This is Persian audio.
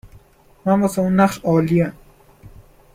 من واسه اون نقش عالیم